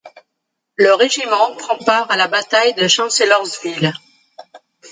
Le régiment prend part à la bataille de Chancellorsville.